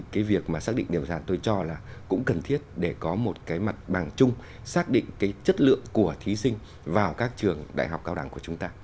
cái việc mà xác định điểm rằng tôi cho là cũng cần thiết để có một cái mặt bằng chung xác định cái chất lượng của thí sinh vào các trường đại học cao đẳng của chúng ta